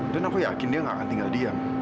dan aku yakin dia gak akan tinggal diam